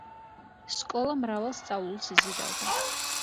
სკოლა მრავალ სწავლულს იზიდავდა.